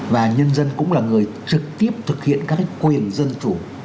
và nhân dân cũng là người trực tiếp thực hiện các quyền dân chủ